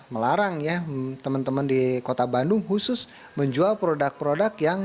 melarang ya teman teman di kota bandung khusus menjual produk produk yang